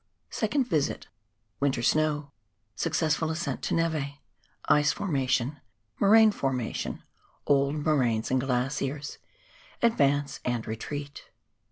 Second Visit — Winter Snow — Successful Ascent to Neve — Ice Formation — Moraine Formation — Old Moraines and Glaciers — Advance and Retreat.